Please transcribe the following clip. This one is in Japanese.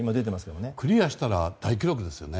クリアしたら大記録ですよね。